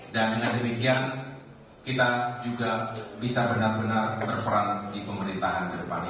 dan dengan demikian kita juga bisa benar benar berperan di pemerintahan ke depan ini